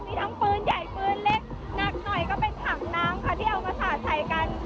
มีทั้งปืนใหญ่ปืนเล็กหนักหน่อยก็เป็นถังน้ำค่ะที่เอามาสาดใส่กัน